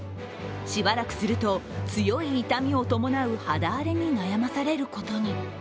しばらくすると、強い痛みを伴う肌荒れに悩まされることに。